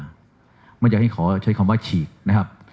ยกเลิกสัญญาไม่อยากให้ขอใช้คำว่าฉีกนะครับ